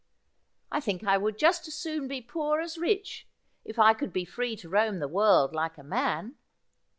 I think I would just as soon be poor as rich, if I could be free to roam the world, like a man.